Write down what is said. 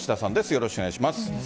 よろしくお願いします。